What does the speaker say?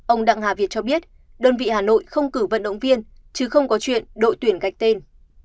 ông đặng hà việt cho biết đơn vị hà nội không cử vận động viên chứ không có chuyện đội tuyển gạch tên